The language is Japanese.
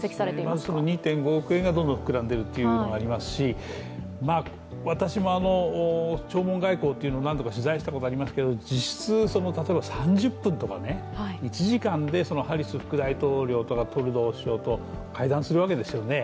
まず２．５億円がどんどん膨らんでるというのがありますし私も、弔問外交というのを何度か取材したことがあるんですけれども、実質、３０分とか、１時間でハリス副大統領とかトルドー首相と会談するわけですよね。